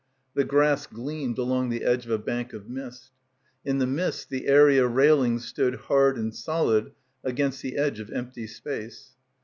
The grass gleamed along the edge of a bank of mist. In the mist the area railings stood hard and solid against the edge of empty space.